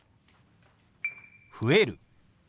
「増える」。